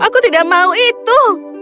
aku tidak mau itu